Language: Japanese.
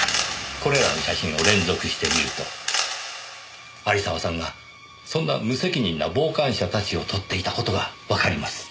これらの写真を連続して見ると有沢さんがそんな無責任な傍観者たちを撮っていた事がわかります。